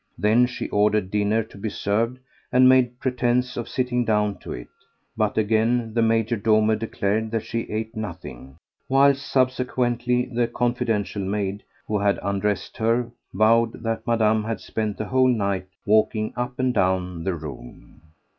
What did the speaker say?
Then she ordered dinner to be served and made pretence of sitting down to it; but again the major domo declared that she ate nothing, whilst subsequently the confidential maid who had undressed her vowed that Madame had spent the whole night walking up and down the room.